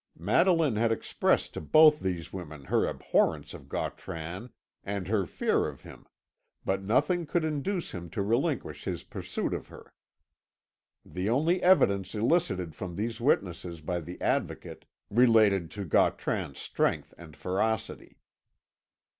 Madeline had expressed to both these women her abhorrence of Gautran and her fear of him, but nothing could induce him to relinquish his pursuit of her. The only evidence elicited from these witnesses by the Advocate related to Gautran's strength and ferocity.